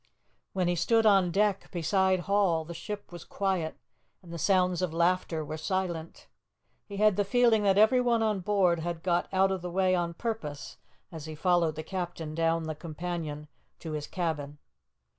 When he stood on deck beside Hall the ship was quiet and the sounds of laughter were silent. He had the feeling that everyone on board had got out of the way on purpose as he followed the captain down the companion to his cabin.